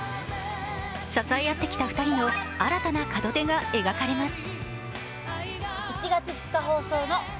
支え合ってきた二人の新たな門出が描かれます